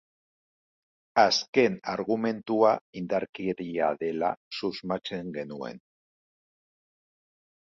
Azken argumentua indarkeria dela susmatzen genuen.